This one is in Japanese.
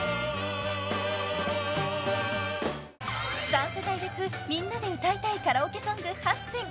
［三世代別「みんなで歌いたいカラオケ曲」８選］